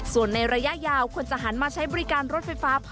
ส่วนในระยะยาวควรจะหันมาใช้บริการรถไฟฟ้าเพิ่มมากขึ้น